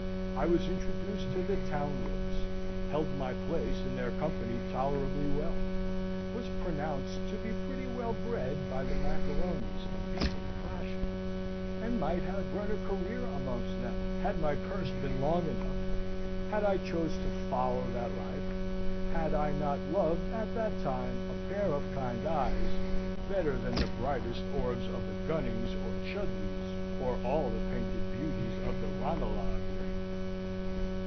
I was introduced to the town wits; held my place in their company tolerably well; was pronounced to be pretty well bred by the macaronis and people of fashion, and might have run a career amongst them had my purse been long enough; had I chose to follow that life; had I not loved at that time a pair of kind eyes better than the brightest orbs of the Gunnings or Chudleighs, or all the painted beauties of the Ranelagh ring.